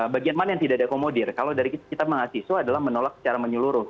bagian mana yang tidak diakomodir kalau dari kita mahasiswa adalah menolak secara menyeluruh